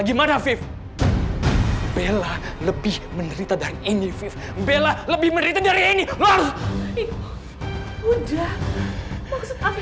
gimana viv bella lebih menderita dari ini viv bella lebih menderita dari ini udah maksud aku